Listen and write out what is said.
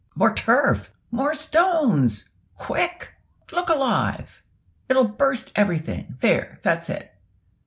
"More turf! more stones! quick, look alive! it'll burst everything there, that's it!"